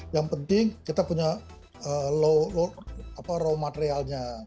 yang penting kita punya raw materialnya